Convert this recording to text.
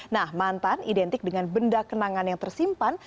nah mantan identik dengan benda kenangan yang tersimpan